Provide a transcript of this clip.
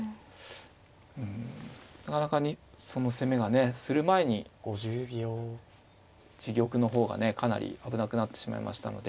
うんなかなかにその攻めがねする前に自玉の方がねかなり危なくなってしまいましたので。